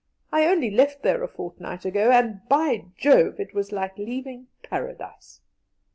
I only left there a fortnight ago, and, by Jove! it was like leaving Paradise!"